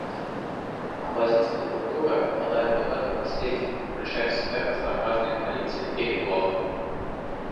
Абазинская культура обладает богатым наследием и включает в себя разнообразные традиции и ритуалы.